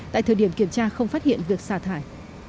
tại thời điểm kiểm tra không phát hiện việc xả thải